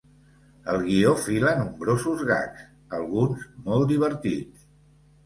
El guió fila nombrosos gags, alguns molt divertits.